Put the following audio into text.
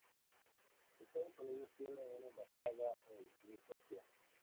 Estados Unidos tiene una embajada en Nicosia.